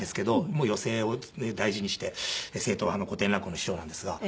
もう寄席を大事にして正統派の古典落語の師匠なんですが。